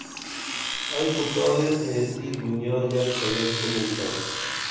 ائی کُتال ایس نیسی دنیا یک پہ یک کُنُوم تا